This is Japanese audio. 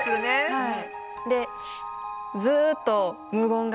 はい。